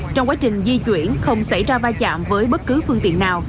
trong quá trình di chuyển không xảy ra va chạm với bất cứ phương tiện nào